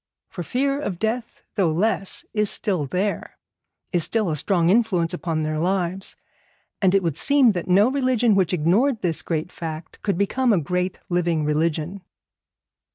For fear of death, though less, is still there, is still a strong influence upon their lives, and it would seem that no religion which ignored this great fact could become a great living religion.